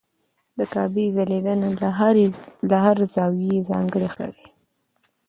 د کعبې ځلېدنه له هر زاویې ځانګړې ښکاري.